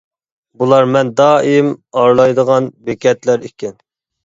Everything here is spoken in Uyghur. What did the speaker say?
بۇلار مەن دائىم ئارىلايدىغان بېكەتلەر ئىكەن.